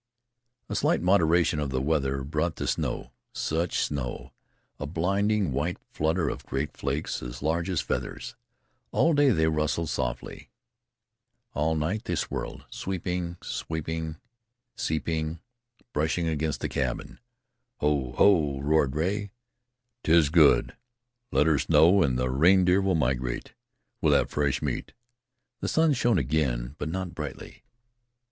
A slight moderation of the weather brought the snow. Such snow! A blinding white flutter of grey flakes, as large as feathers! All day they rustle softly; all night they swirled, sweeping, seeping brushing against the cabin. "Ho! Ho!" roared Rea. "'Tis good; let her snow, an' the reindeer will migrate. We'll have fresh meat." The sun shone again, but not brightly.